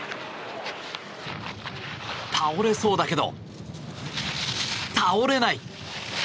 倒れそうだけど。